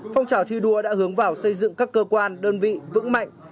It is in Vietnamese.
phong trào thi đua đã hướng vào xây dựng các cơ quan đơn vị vững mạnh